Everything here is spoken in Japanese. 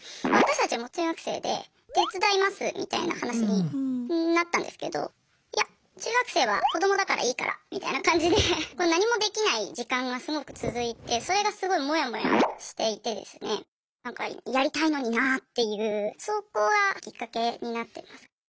私たちも中学生で「手伝います」みたいな話になったんですけど「いや中学生は子どもだからいいから」みたいな感じで何もできない時間がすごく続いてそれがすごいモヤモヤしていてですねなんかやりたいのになっていうそこがきっかけになってます。